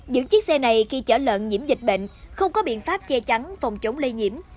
những chiếc xe này khi chở lợn nhiễm dịch bệnh không có biện pháp che chắn phòng chống lây nhiễm